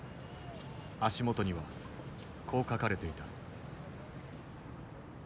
足元にはこう書かれていた。